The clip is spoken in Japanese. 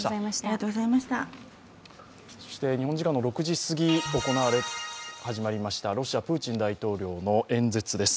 日本時間の６時すぎ始まりましたロシア・プーチン大統領の演説です